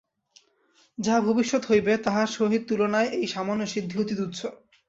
যাহা ভবিষ্যতে হইবে, তাহার সহিত তুলনায় এই সামান্য সিদ্ধি অতি তুচ্ছ।